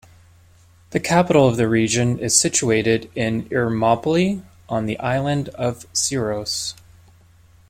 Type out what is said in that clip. The capital of the region is situated in Ermoupoli on the island of Syros.